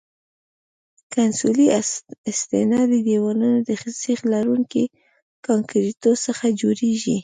کنسولي استنادي دیوالونه د سیخ لرونکي کانکریټو څخه جوړیږي